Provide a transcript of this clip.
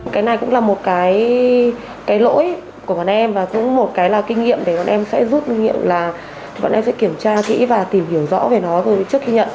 cái này cũng là một cái lỗi của bọn em và cũng một cái là kinh nghiệm để bọn em sẽ rút kinh nghiệm là bọn em sẽ kiểm tra kỹ và tìm hiểu rõ về nó trước khi nhận